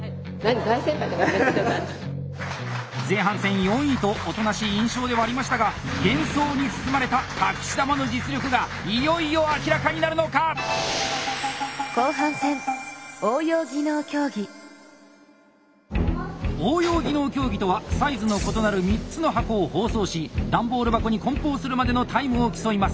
前半戦４位とおとなしい印象ではありましたが幻想に包まれた隠し球の実力がいよいよ明らかになるのか⁉応用技能競技とはサイズの異なる３つの箱を包装し段ボール箱に梱包するまでのタイムを競います！